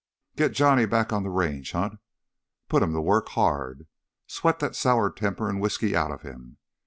Get Johnny back on the Range, Hunt—put him to work, hard. Sweat that sour temper and whisky out of him.